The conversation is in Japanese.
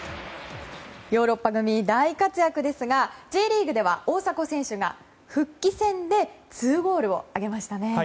ヨーロッパ組大活躍ですがＪリーグでは大迫選手が復帰戦で２ゴールを挙げましたね。